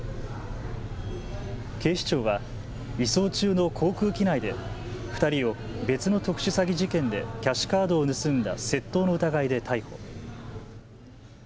警視庁は移送中の航空機内で２人を別の特殊詐欺事件でキャッシュカードを盗んだ窃盗の疑いで逮捕。